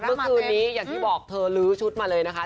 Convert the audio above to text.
เมื่อคืนนี้อย่างที่บอกเธอลื้อชุดมาเลยนะคะ